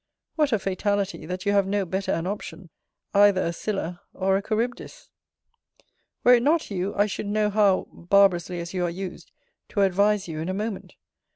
What a fatality, that you have no better an option either a Scylla or a Charybdis. Were it not you, I should know how (barbarously as you are used) to advise you in a moment.